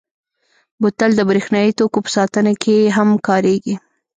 بوتل د برېښنايي توکو په ساتنه کې هم کارېږي.